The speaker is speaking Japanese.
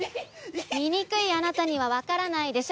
醜いあなたにはわからないでしょ。